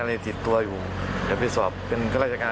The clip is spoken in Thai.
ก็เลยตามไปที่บ้านไม่พบตัวแล้วค่ะ